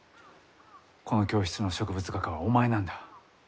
この教室の植物画家はお前なんだ。